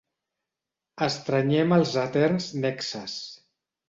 Estrenyem els eterns nexes.